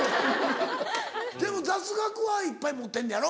でも雑学はいっぱい持ってんのやろ？